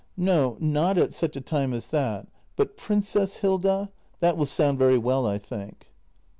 No, not at such a time as that. But — "Princess Hilda" — that will sound very well, I think.